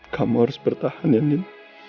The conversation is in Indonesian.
kamu harus bertahan ya nin